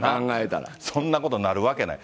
そんなことになるわけない。